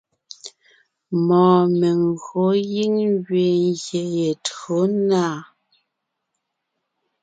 Mɔɔn megÿò giŋ ngẅiin ngyè ye tÿǒ na.